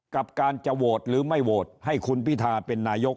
กับการจะโหวตหรือไม่โหวตให้คุณพิทาเป็นนายก